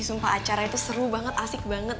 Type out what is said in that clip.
sumpah acara itu seru banget asik banget